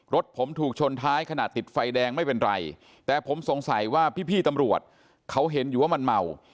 รถผมถูกชนท้ายขนาดติดไฟแดงไม่เป็นไรแต่ผมสงสัยว่าพี่ตำรวจเขาเห็นอยู่ว่ามันเมา